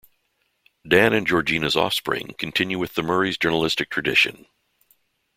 Dan and Georgina's offspring continue with the Murray's journalistic tradition.